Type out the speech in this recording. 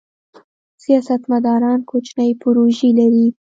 سیاستمداران کوچنۍ پروژې لري.